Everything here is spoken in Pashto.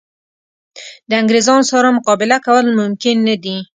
د انګرېزانو سره مقابله کول ممکن نه دي.